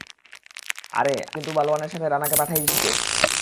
আরে, কিন্তু আমি বালওয়ানের সাথে রানাকে পাঠাই ছি তো।